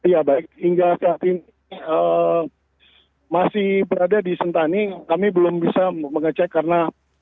ya baik hingga saat ini masih berada di sentani kami belum bisa mengecek karena